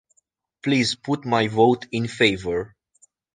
Please put my vote in favour.